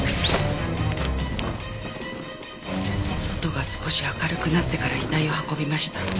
外が少し明るくなってから遺体を運びました。